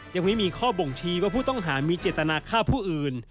ยังไม่มีข้อบ่งชี้ว่าผู้ต้องหามีเจตนาฆ่าผู้อื่น